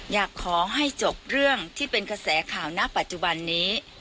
อยากขอให้จบเรื่องที่เป็นกระแสข่าวณปัจจุบันนี้